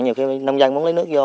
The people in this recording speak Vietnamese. nhiều khi nông dân muốn lấy nước vô